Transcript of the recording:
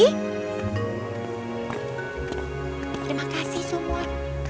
terima kasih sumur